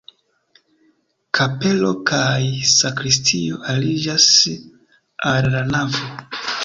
Kapelo kaj sakristio aliĝas al la navo.